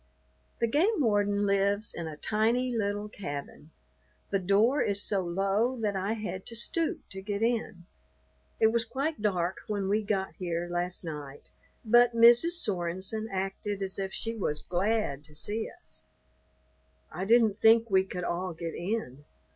The game warden lives in a tiny little cabin. The door is so low that I had to stoop to get in. It was quite dark when we got here last night, but Mrs. Sorenson acted as if she was glad to see us. I didn't think we could all get in.